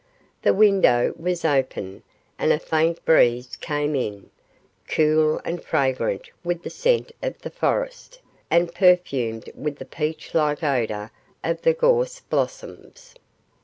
The window was open, and a faint breeze came in cool and fragrant with the scent of the forest, and perfumed with the peach like odour of the gorse blossoms.